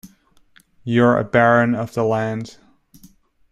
You're a baron of the land.